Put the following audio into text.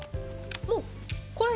もうこれで。